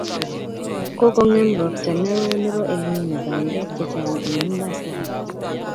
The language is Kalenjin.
Kokongem ropta neo nebo elnino bandek chechang eng mbar